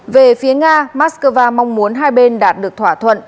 về phía nga moscow mong muốn hai bên đạt được thỏa thuận